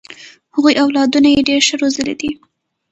هغوی اولادونه یې ډېر ښه روزلي دي.